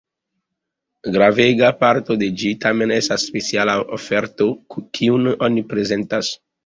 Gravega parto de ĝi tamen estas speciala oferto, kiun oni prezentas.